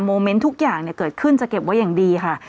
เมนต์ทุกอย่างเกิดขึ้นจะเก็บไว้อย่างดีค่ะ